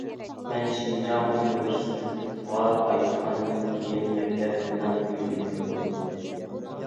مەن شىنجاڭ ئۇنىۋېرسىتېتىغا قايتقاندىن كېيىن مەكتەپ مېنىڭ ئويۇمنى قوللىدى.